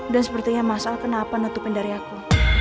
dan sepertinya masal kenapa nutupin dari aku